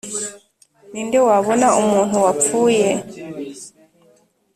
Ni nde wabona umuntu wapfuye